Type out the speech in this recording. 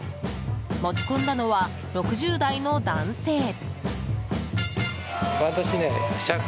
持ち込んだのは６０代の男性。